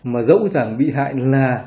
mà dẫu rằng bị hại là